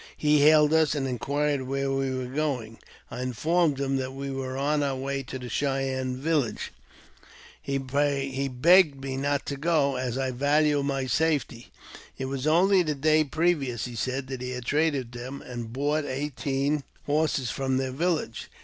He hailed us, and inquired where we were going. I informed him that we were on our way to the Cheyenne village. He begged me not to go^ as I valued my safety. It was only the day previous, he said, that he had traded with them, and bought eighteen horses from their village.